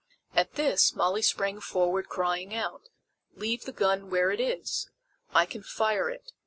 At this Molly sprang forward crying out: "Leave the gun where it is. I can fire it.